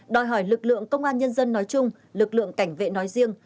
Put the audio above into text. đòi hỏi lực lượng công an nhân dân nói chung lực lượng cảnh vệ nói riêng